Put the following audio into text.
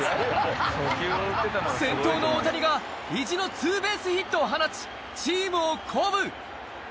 先頭の大谷が意地のツーベースヒットを放ちチームを鼓舞